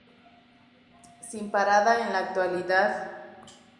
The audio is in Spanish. Sin parada en la actualidad.